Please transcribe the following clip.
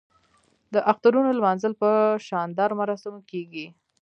د اخترونو لمانځل په شاندارو مراسمو کیږي.